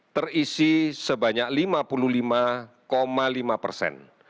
terisi sebanyak lima puluh lima lima persen